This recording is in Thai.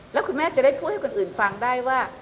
แล้วคุณแม่จะได้พูดให้คนอื่นฟังได้ว่า